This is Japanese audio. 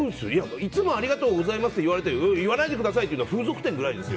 いつもありがとうございますって言わないでくださいっていうのは風俗店くらいですよ。